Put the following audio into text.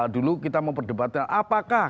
dulu kita memperdebatkan apakah